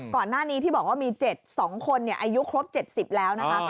ก่อนหน้านี้ที่บอกว่ามี๗๒คนอายุครบ๗๐แล้วนะคะ